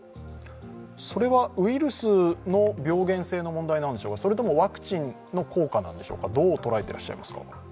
それはウイルスの病原性の問題なんでしょうか、それともワクチンの効果なんでしょうか、どう捉えていらっしゃいますか？